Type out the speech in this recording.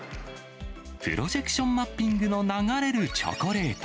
プロジェクションマッピングの流れるチョコレート。